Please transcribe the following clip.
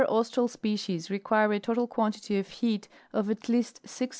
237 Tropical species require a total quantity of heat of at least 14,400° C.